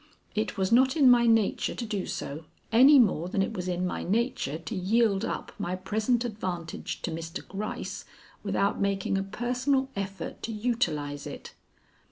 It was not in my nature to do so, any more than it was in my nature to yield up my present advantage to Mr. Gryce without making a personal effort to utilize it.